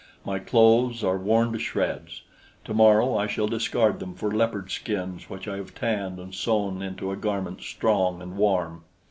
My clothes are worn to shreds. Tomorrow I shall discard them for leopard skins which I have tanned and sewn into a garment strong and warm.